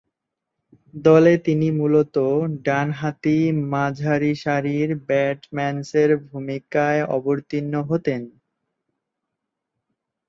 দলে তিনি মূলতঃ ডানহাতি মাঝারিসারির ব্যাটসম্যানের ভূমিকায় অবতীর্ণ হতেন।